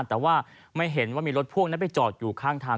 แต่ว่าไม่เห็นว่ามีรถพ่วงนั้นไปจอดอยู่ข้างทาง